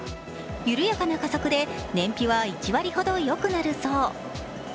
緩やかな加速で燃費は１割ほどよくなるそう。